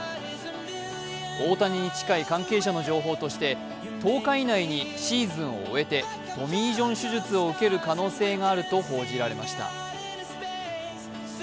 大谷に近い関係者の情報として１０日以内にシーズンを終えてトミー・ジョン手術を受ける可能性があると報じられました。